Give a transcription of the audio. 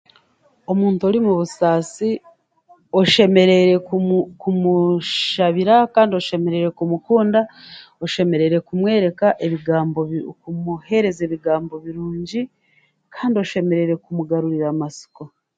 Omuntu ori mu busaasi oshemereere kumu kumushabira kandi oshemereire kumukunda, oshemereire kumwereka, kumuhe kumuheereza ebigambo birungi, kandi oshemereire kumugarurira amasiko.